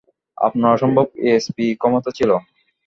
আপার অসম্ভব ইএসপি ক্ষমতা ছিল।